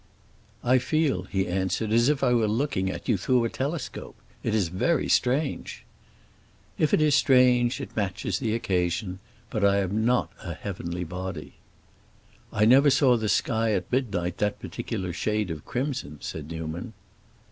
"I feel," he answered, "as if I were looking at you through a telescope. It is very strange." "If it is strange it matches the occasion. But I am not a heavenly body." "I never saw the sky at midnight that particular shade of crimson," said Newman.